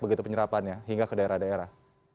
begitu penyerapan ya hingga ke daerah daerah